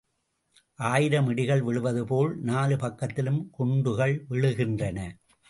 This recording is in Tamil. ஆயிரம் இடிகள் விழுவதுபோல் நாலு பக்கத்திலும் குண்டுகள் விழுகின்றன.